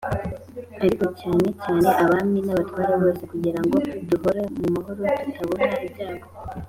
ariko cyane cyane abami n’abatware bose kugira ngo duhore mu mahoro tutabona ibyago